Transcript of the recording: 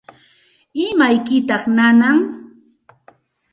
¿Imaykitaq nanan?